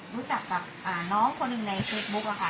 รู้จักกับน้องคนหนึ่งในเฟซบุ๊กอะค่ะ